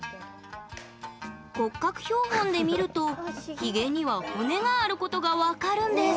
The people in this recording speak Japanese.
骨格標本で見るとヒゲには骨があることが分かるんです。